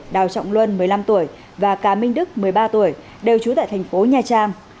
đào trọng luân một mươi năm tuổi và cá minh đức một mươi ba tuổi đều trú tại thành phố nha trang